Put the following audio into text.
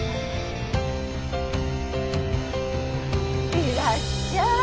いらっしゃい